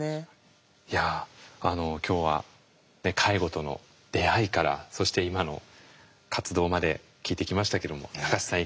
いや今日は介護との出会いからそして今の活動まで聞いてきましたけども高知さん